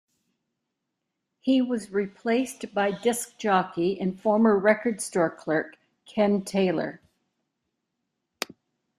He was replaced by disc jockey and former record store clerk Ken Taylor.